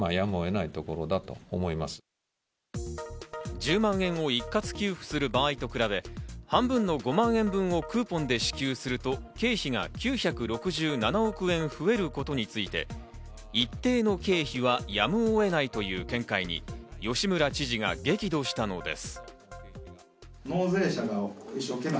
１０万円を一括給付する場合と比べ、半分の５万円分をクーポンで支給すると経費が９６７億円増えることについて、一定の経費はやむを得ないという見解に吉村知事が激怒したのです。